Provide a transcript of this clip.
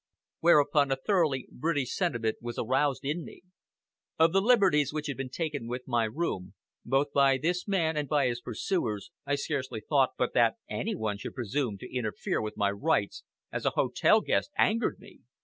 Whereupon a thoroughly British sentiment was aroused in me. Of the liberties which had been taken with my room, both by this man and by his pursuers, I scarcely thought, but that any one should presume to interfere with my rights as an hotel guest angered me!